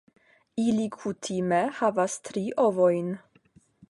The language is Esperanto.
Ili kutime havas tri ovojn.